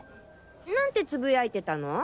何てつぶやいてたの？